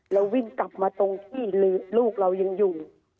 เราวิ่งกลับมาตรงที่ลูกเรายังอยู่